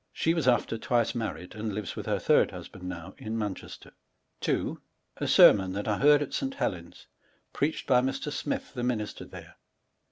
She was after ^^ni twice married, and lives with hor third husband now, in Mancheaterj 2. A Sermon that I heard at St. Helen's, preached by Mr. Smil the minister there.